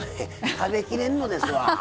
食べきれんのですわ。